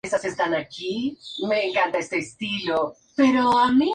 Por otra parte, Eliza es pastelera de profesión y ama de casa.